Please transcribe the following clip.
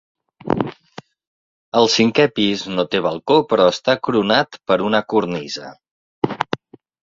El cinquè pis no té balcó però està coronat per una cornisa.